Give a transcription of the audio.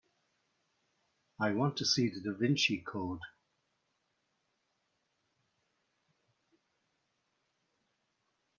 I want to see The Da Vinci Code